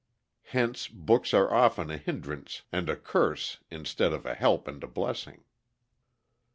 Hence books are often a hindrance and a curse instead of a help and a blessing.